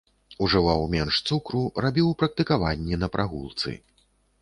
Ужываў менш цукру, рабіў практыкаванні на прагулцы.